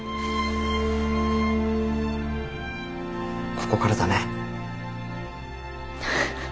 ここからだね。